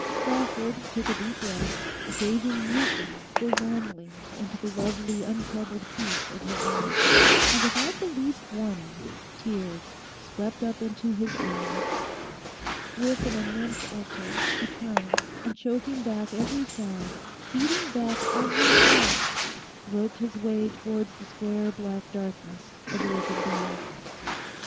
Lawford took a deep breath, gazing mutely, forlornly, into the lovely untroubled peace of her eyes, and without the least warning tears swept up into his own. With an immense effort he turned, and choking back every sound, beating back every thought, groped his way towards the square black darkness of the open door.